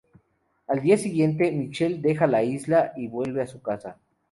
Al día siguiente, Michelle deja la isla y vuelve a su casa.